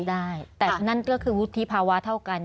ได้แต่นั่นก็คือวุฒิภาวะเท่ากัน